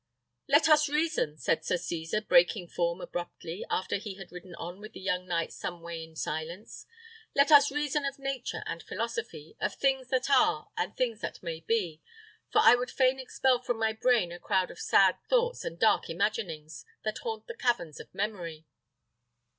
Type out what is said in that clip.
"Let us reason," said Sir Cesar, breaking form abruptly, after he had ridden on with the young knight some way in silence; "let us reason of nature and philosophy; of things that are, and of things that may be; for I would fain expel from my brain a crowd of sad thoughts and dark imaginings, that haunt the caverns of memory."